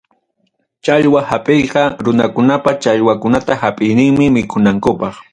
Challwa hapiyqa runakunapa challwakunata hapiyninmi mikunankupaq.